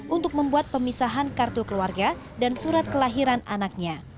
untuk membuat pemisahan kartu keluarga dan surat kelahiran anaknya